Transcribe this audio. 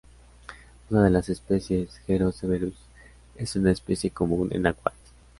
Una de las especies, "Heros severus", es una especie común en acuarios.